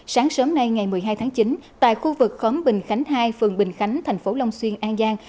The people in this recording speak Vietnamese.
sáng sớm nay ngày một mươi hai tháng chín tại khu vực khóm bình khánh hai phường bình khánh thành phố long xuyên an giang